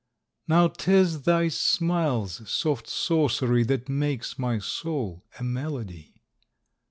Now 't is thy Smile's soft sorcery That makes my soul a melody.